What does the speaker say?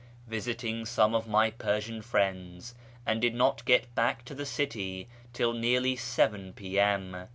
visiting some of my Persian friends, and did not get back to the city till nearly 7 r.M.